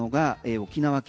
沖縄県。